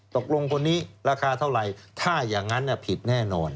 ตกลงคนนี้ราคาเท่าไหร่ถ้าอย่างนั้นผิดแน่นอน